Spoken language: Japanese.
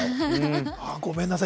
ごめんなさい。